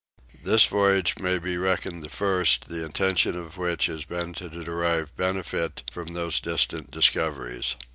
This voyage may be reckoned the first the intention of which has been to derive benefit from those distant discoveries.